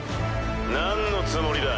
なんのつもりだ？